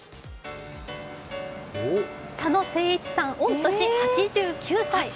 佐野誠一さん、御年８９歳。